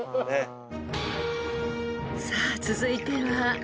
［さあ続いては］